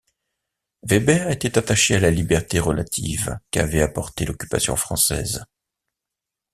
Weber était attaché à la liberté relative qu'avait apportée l'occupation française.